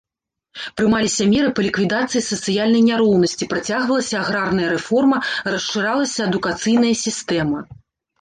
Прымаліся меры па ліквідацыі сацыяльнай няроўнасці, працягвалася аграрная рэформа, расшыралася адукацыйная сістэма.